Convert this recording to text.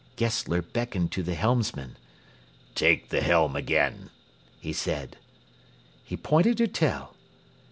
Gessler beckoned to the helmsman. "Take the helm again," he said. He pointed to Tell.